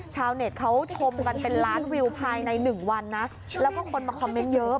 ชาวเน็ตเขาชมกันเป็นล้านวิวภายในหนึ่งวันนะแล้วก็คนมาคอมเมนต์เยอะ